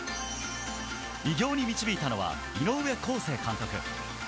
偉業に導いたのは井上康生監督。